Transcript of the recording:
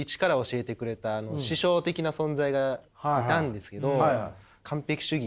教えてくれた師匠的な存在がいたんですけど。